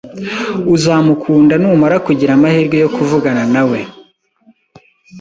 Uzamukunda numara kugira amahirwe yo kuvugana nawe.